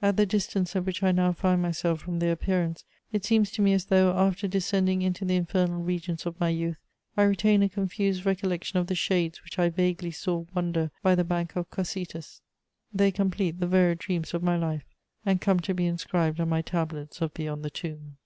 At the distance at which I now find myself from their appearance, it seems to me as though, after descending into the infernal regions of my youth, I retain a confused recollection of the shades which I vaguely saw wander by the bank of Cocytus: they complete the varied dreams of my life, and come to be inscribed on my tablets of beyond the tomb.